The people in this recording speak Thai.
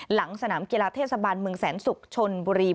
หลังสนามกีฬาเทศบาลเมืองแสนศุกร์ชนบุรี